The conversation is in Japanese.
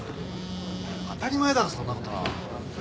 当たり前だろそんな事。